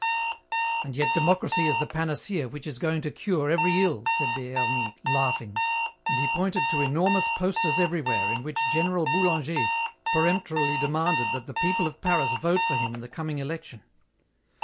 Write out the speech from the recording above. "And yet democracy is the panacea which is going to cure every ill," said Des Hermies, laughing. And he pointed to enormous posters everywhere in which General Boulanger peremptorily demanded that the people of Paris vote for him in the coming election.